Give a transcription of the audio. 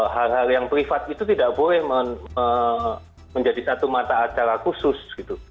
hal hal yang privat itu tidak boleh menjadi satu mata acara khusus gitu